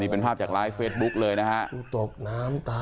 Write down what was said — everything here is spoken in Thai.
นี่เป็นภาพจากไลฟ์เฟซบุ๊กเลยนะครับ